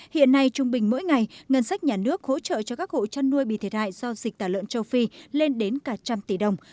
hiện nay trung bình mỗi ngày ngân sách nhà nước hỗ trợ cho các hộ chăn nuôi bị thiệt hại do dịch tả lợn châu phi lên đến cả trăm tỷ đồng